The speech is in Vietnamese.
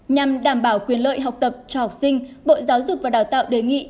nhằm đảm bảo quyền lợi học tập cho học sinh bộ giáo dục và đào tạo đề nghị